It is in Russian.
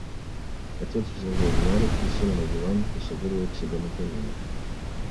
Отец взял Женю на руки, сел на диван, посадил ее к себе на колени.